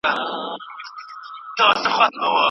دا هغه بېړۍ ډوبیږي